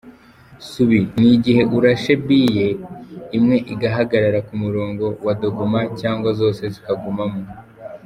Subi : ni igihe urashe biye, imwe igahagarara ku murongo wa dogoma cyangwa zose zikagumamo.